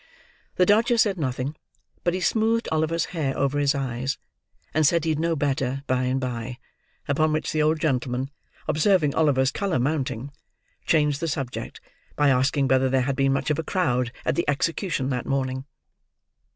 The Dodger said nothing, but he smoothed Oliver's hair over his eyes, and said he'd know better, by and by; upon which the old gentleman, observing Oliver's colour mounting, changed the subject by asking whether there had been much of a crowd at the execution that morning?